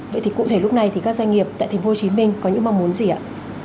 vậy thì cụ thể lúc này thì các doanh nghiệp tại thành phố hồ chí minh có những mong muốn gì ạ